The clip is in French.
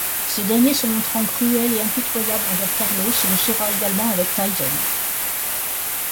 Ce dernier se montrant cruel et impitoyable envers Carlos, le sera également avec Tyson.